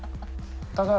高橋。